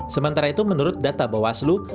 sementara itu menurut data bawaslu